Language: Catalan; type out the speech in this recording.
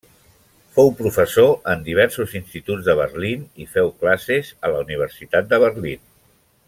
Fou professor en diversos instituts de Berlín i feu classes a la universitat de Berlín.